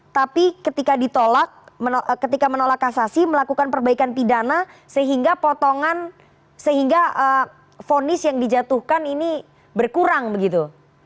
tapi ketika ditolak ketika menolak kasasi melakukan perbaikan pidana sehingga potongan sehingga vonis yang dijatuhkan ini berkurang begitu